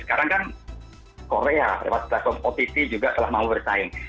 sekarang kan korea lewat platform otty juga telah mau bersaing